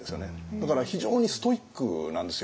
だから非常にストイックなんですよ